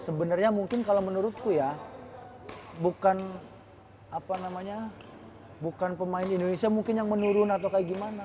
sebenarnya mungkin kalau menurutku ya bukan apa namanya bukan pemain indonesia mungkin yang menurun atau kayak gimana